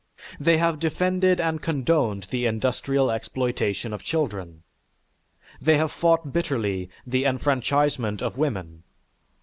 They have defended and condoned the industrial exploitation of children. They have fought bitterly the enfranchisement of women.